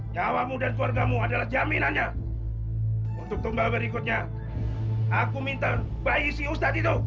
nyawamu dan keluargamu adalah jaminannya untuk tumbang berikutnya aku minta bayi si ustadz itu